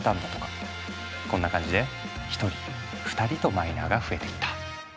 こんな感じで１人２人とマイナーが増えていった。